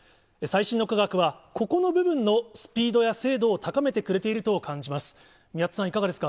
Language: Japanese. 最新の科学は、ここの部分のスピードや精度を高めてくれていると感じます。